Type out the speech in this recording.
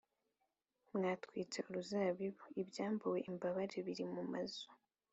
Mwatwitse uruzabibu Ibyambuwe imbabare biri mu mazu